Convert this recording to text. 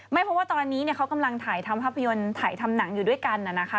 ไม่เพราะว่าตอนนี้เขากำลังถ่ายทำภาพยนตร์ถ่ายทำหนังอยู่ด้วยกันนะคะ